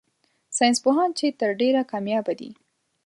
ساينس پوهان چي تر ډېره کاميابه دي